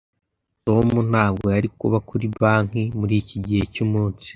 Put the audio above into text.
tom ntabwo yari kuba kuri banki muriki gihe cyumunsi